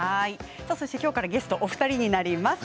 今日からゲストお二人になります。